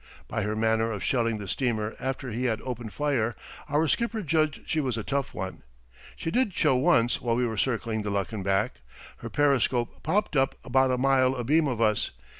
By her manner of shelling the steamer after he had opened fire our skipper judged she was a tough one. She did show once while we were circling the Luckenbach. Her periscope popped up about a mile abeam of us.